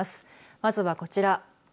まずは、こちら。